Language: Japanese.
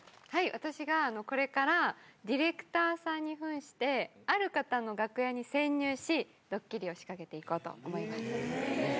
私がこれからディレクターさんにふんして、ある方の楽屋に潜入し、ドッキリを仕掛けていこうと思います。